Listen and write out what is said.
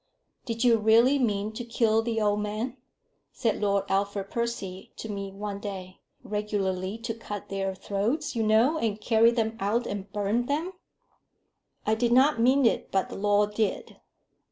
"Did you really mean to kill the old men?" said Lord Alfred Percy to me one day; "regularly to cut their throats, you know, and carry them out and burn them." "I did not mean it, but the law did."